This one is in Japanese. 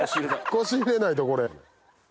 腰入れないとこれ。